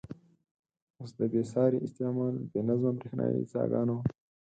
اوس د بې ساري استعمال، بې نظمه برېښنايي څاګانو.